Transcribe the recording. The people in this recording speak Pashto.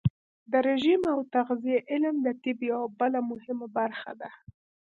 د رژیم او تغذیې علم د طب یوه بله مهمه برخه ده.